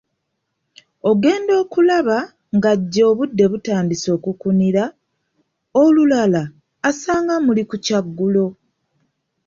"Ogenda okulaba ng'ajja ng'obudde butandise okukunira, olulala asanga muli ku kyaggulo."